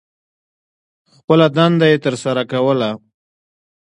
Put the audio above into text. خپله دنده یې تر سرہ کوله.